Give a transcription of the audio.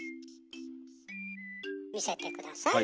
見せて下さい。